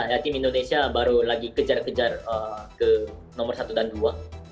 dan tim indonesia baru lagi kejar kejar ke nomor satu dan dua